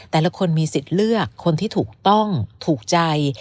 แต่ละคนมีสิทธิ์เลือกคนที่ถูกต้องถูกใจ